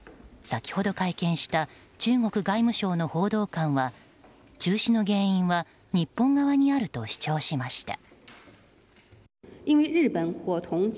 先ほど会見した中国外務省の報道官は中止の原因は日本側にあると主張しました。